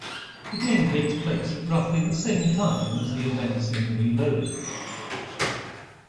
The game takes place at roughly the same time as the events in "Reloaded".